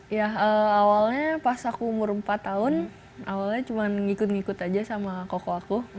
ya awalnya pas aku umur empat tahun awalnya cuma ngikut ngikut aja sama koko aku